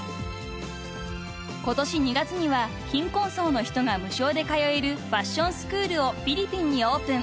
［今年２月には貧困層の人が無償で通えるファッションスクールをフィリピンにオープン］